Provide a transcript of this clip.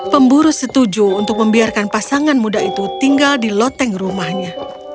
pemburu setuju untuk membiarkan pasangan muda itu tinggal di loteng rumahnya